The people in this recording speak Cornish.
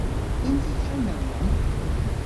Yns i Kernowyon?